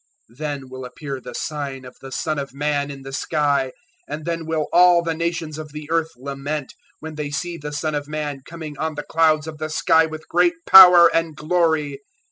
024:030 Then will appear the Sign of the Son of Man in the sky; and then will all the nations of the earth lament, when they see the Son of Man coming on the clouds of the sky with great power and glory.